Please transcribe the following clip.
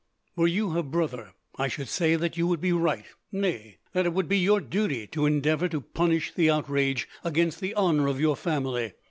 Were you her brother, I should say that you would be right nay, that it would be your duty to endeavour to punish the outrage against the honour of your family.